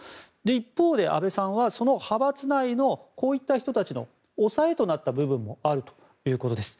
一方で、安倍さんは派閥内のこういった人たちの抑えとなった部分もあるということです。